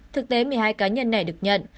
thực tế một mươi hai cá nhân này được nhận